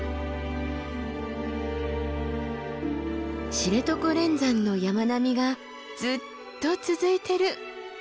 知床連山の山並みがずっと続いてる。